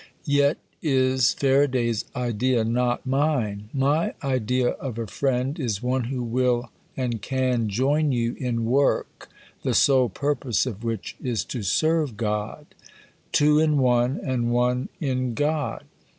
Yet is Faraday's idea not mine. My idea of a friend is one who will and can join you in work the sole purpose of which is to serve God. Two in one, and one in God.